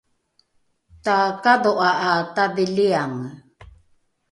takadho’a ’a tadhiliange